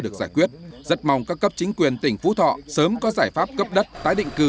được giải quyết rất mong các cấp chính quyền tỉnh phú thọ sớm có giải pháp cấp đất tái định cư